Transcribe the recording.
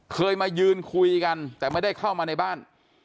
เคยมายืนคุยกันแต่ไม่ได้เข้ามาในบ้าน